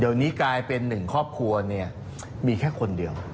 เดี๋ยวนี้กลายเป็นหนึ่งครอบครัวเนี่ยมีแค่คนเดียว